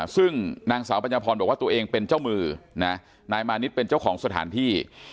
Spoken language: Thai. ซึ่งนางสาวปัญญาพรบอกว่าตัวเองเป็นเจ้ามือนะนายมานิดเป็นเจ้าของสถานที่